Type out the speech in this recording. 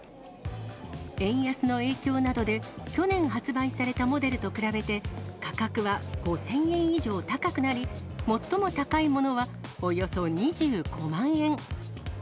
円安の影響などで、去年発売されたモデルと比べて、価格は５０００円以上高くなり、最も高いものはおよそ２５万円。